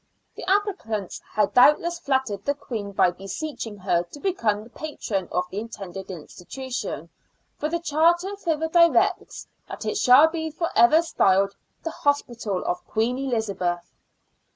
The applicants had doubtless flattered the Queen by beseeching her to become the patron of the intended institution, for the charter further directs that it shall be for ever styled the Hospital of Queen Elizabeth.